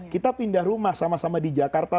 kita pindah rumah sama sama di jakarta